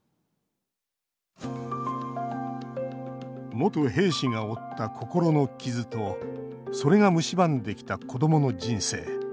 元兵士が負った心の傷とそれがむしばんできた子どもの人生。